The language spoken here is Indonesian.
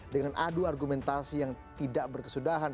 dengan adu argumentasi yang tidak berkesudahan